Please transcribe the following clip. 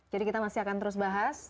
jadi kita masih akan terus bahas